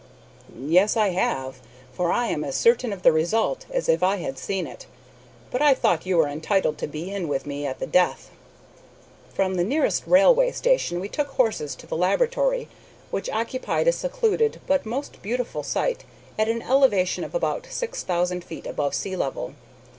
"Yes, I have; for I am as certain of the result as if I had seen it, but I thought you were entitled to be in with me at the death." From the nearest railway station we took horses to the laboratory, which occupied a secluded but most beautiful site at an elevation of about six thousand feet above sea level.